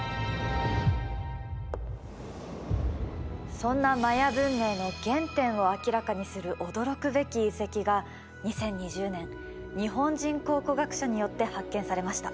そんなマヤ文明の原点を明らかにする驚くべき遺跡が２０２０年日本人考古学者によって発見されました。